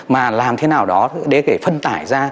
mà làm thế nào đó để phân tải ra